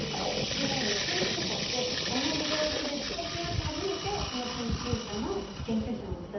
いやいや研究者って同じ領域でずっとやって初めてその研究者なんです。